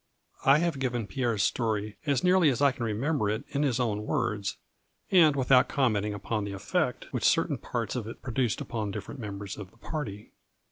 I have given Pierre's story as nearly as I can remember it in his own words, and without commenting upon the effect which certain parts of it produced upon different members of the party.